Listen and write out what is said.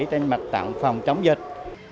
trên mạch tặng phòng chống dịch